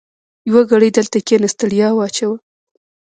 يوه ګړۍ دلته کېنه؛ ستړیا واچوه.